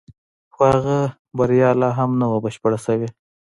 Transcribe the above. خو د هغه بریا لا هم نه وه بشپړه شوې